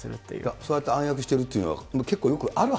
そうやって暗躍してるっていうのは結構よくある話？